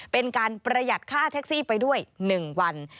เป็นการประหยัดค่าแท็กซี่ไปด้วย๑วัน